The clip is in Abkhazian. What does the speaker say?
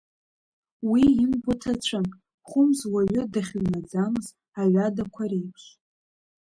Уи имгәа ҭацәын, хәымз уаҩы дахьыҩнаӡамыз аҩадақәа реиԥш.